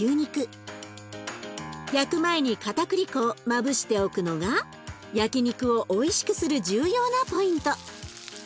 焼く前にかたくり粉をまぶしておくのが焼肉をおいしくする重要なポイント。